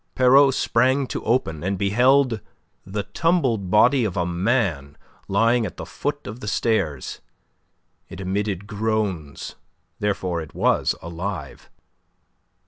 Pierrot sprang to open, and beheld the tumbled body of a man lying at the foot of the stairs. It emitted groans, therefore it was alive.